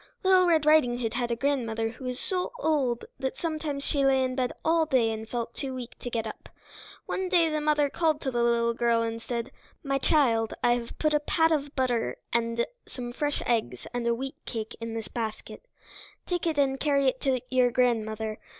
Little Red Riding Hood had a grandmother who was so old that sometimes she lay in bed all day and felt too weak to get up. One day the mother called the little girl to her and said, "My child, I have put a pat of butter and some fresh eggs and a wheatcake in this basket. Take it and carry it to your grandmother.